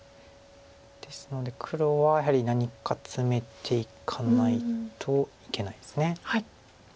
ですので黒はやはり何かツメていかないといけないです。